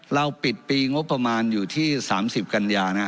เราปิดปีงบประมาณอยู่ที่๓๐กันยานะ